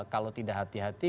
kalau tidak hati hati